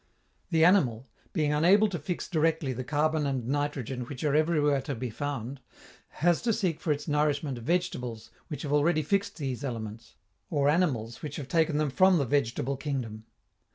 The animal, being unable to fix directly the carbon and nitrogen which are everywhere to be found, has to seek for its nourishment vegetables which have already fixed these elements, or animals which have taken them from the vegetable kingdom.